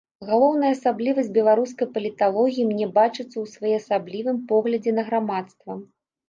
Галоўная асаблівасць беларускай паліталогіі мне бачыцца ў своеасаблівым поглядзе на грамадства.